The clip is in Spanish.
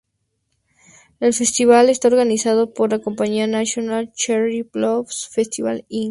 El festival está organizado por la compañía "National Cherry Blossom Festival Inc.